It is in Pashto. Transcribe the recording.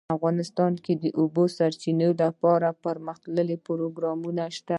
افغانستان کې د د اوبو سرچینې لپاره دپرمختیا پروګرامونه شته.